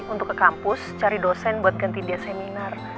untuk ke kampus cari dosen buat ganti dia seminar